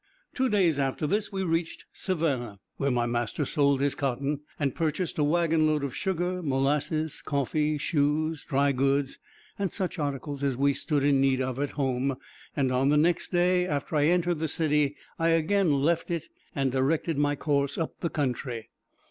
Two days after this, we reached Savannah, where my master sold his cotton, and purchased a wagon load of sugar, molasses, coffee, shoes, dry goods, and such articles as we stood in need of at home; and on the next day after I entered the city, I again left it, and directed my course up the country.